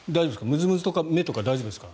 ムズムズとか目とか大丈夫ですか？